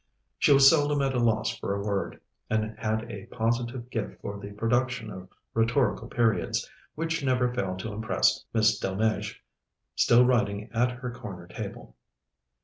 She was seldom at a loss for a word, and had a positive gift for the production of rhetorical periods which never failed to impress Miss Delmege, still writing at her corner table.